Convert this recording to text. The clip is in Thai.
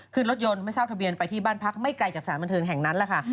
ขึ้นรถยนต์ไม่ทราบทะเบียนไปที่บ้านพักไม่ไกลจากสถานบันเทิงแห่งนั้นแหละค่ะ